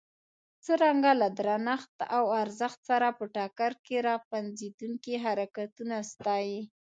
څرنګه له درنښت او ارزښت سره په ټکر کې را پنځېدونکي حرکتونه ستایي.